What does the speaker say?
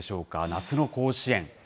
夏の甲子園。